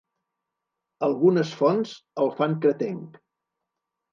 Algunes fonts el fan cretenc.